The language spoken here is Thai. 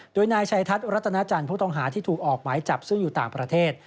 โดยนายชัยทัศน์รัตนาจันทร์ผู้ต้องหาที่ถูกออกหมายจับซึ่งอยู่ต่างประเทศ